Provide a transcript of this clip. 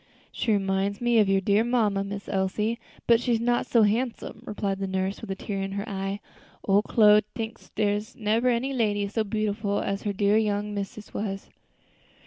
"She reminds me of your dear mamma, Miss Elsie, but she's not so handsome," replied the nurse, with a tear in her eye; "ole Chloe tinks dere's nebber any lady so beautiful as her dear young missus was."